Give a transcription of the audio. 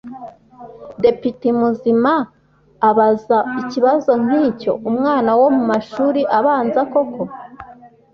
Depite muzima ubaza ikibazo nk’icyo umwana wo mu mashuri abanza koko